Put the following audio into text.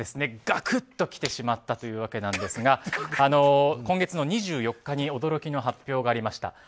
ガクッときてしまったというわけなんですが今月の２４日に驚きの発表がありました。